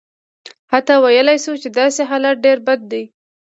حتی ویلای شو چې داسې حالت ډېر بد دی.